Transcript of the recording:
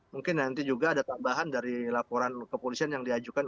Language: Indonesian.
mungkin nanti juga ada tambahan dari laporan kepolisian yang diajukan